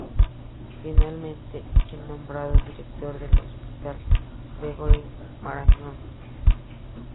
Finalmente es nombrado director del Hospital Gregorio Marañón.